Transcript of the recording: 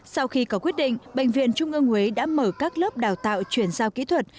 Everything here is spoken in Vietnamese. sau khi có quyết định bệnh viện trung ương huế đã mở các lớp đào tạo chuyển giao kỹ thuật